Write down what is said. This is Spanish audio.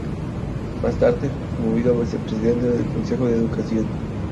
Más tarde fue promovido a vicepresidente del Consejo de Educación.